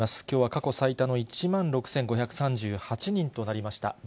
きょうは過去最多の１万６５３８人となりました。